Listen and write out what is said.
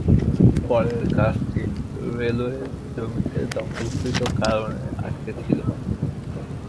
পরের কাজটি রেলওয়ের জমিতে দখলকৃত কারণে আটকে ছিল।